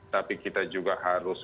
tapi kita juga harus